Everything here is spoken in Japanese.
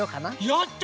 やった！